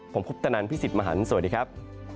ผมคุปตนันพี่สิทธิ์มหันฯสวัสดีครับ